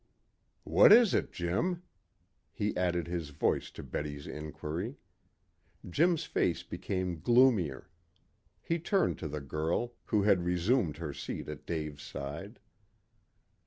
"What is it, Jim?" He added his voice to Betty's inquiry. Jim's face became gloomier. He turned to the girl, who had resumed her seat at Dave's side.